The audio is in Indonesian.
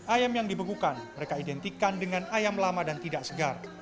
ayam yang dibekukan mereka identikan dengan ayam lama dan tidak segar